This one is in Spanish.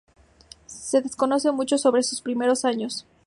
Se desconoce mucho sobre sus primeros años.